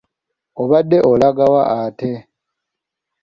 Obadde olaga wa ate?